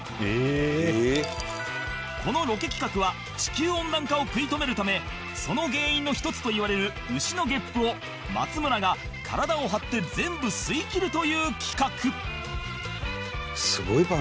このロケ企画は地球温暖化を食い止めるためその原因の一つといわれる牛のゲップを松村が体を張って全部吸いきるという企画